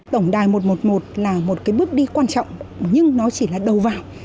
tổng đài một trăm một mươi một là một cái bước đi quan trọng nhưng nó chỉ là đầu vào